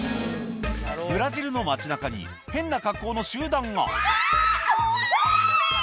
ブラジルの街なかに、変な格好の集団が。